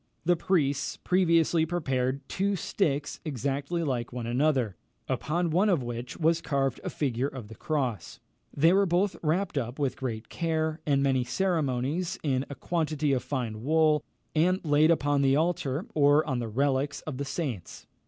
The priests previously prepared two sticks exactly like one another, upon one of which was carved a figure of the cross. They were both wrapped up with great care and many ceremonies, in a quantity of fine wool, and laid upon the altar, or on the relics of the saints.